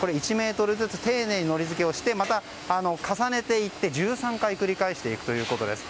１ｍずつ丁寧にのり付けをしてまた、重ねていって１３回繰り返していくということです。